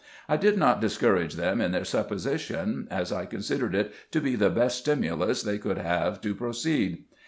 I did not discourage them in their supposition, as I considered it to be the best stimulus they could have to proceed.